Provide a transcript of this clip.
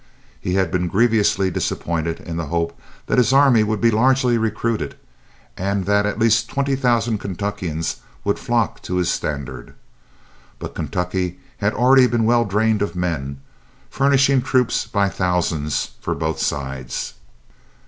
He had been grievously disappointed in the hope that his army would be largely recruited, and that at least twenty thousand Kentuckians would flock to his standard. But Kentucky had already been well drained of men, furnishing troops by thousands for both sides.